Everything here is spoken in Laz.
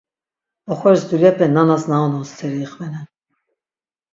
Oxoris dulyape nanas na unon steri ixvenen.